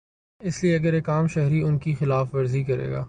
اس لیے اگر ایک عام شہری ان کی خلاف ورزی کرے گا۔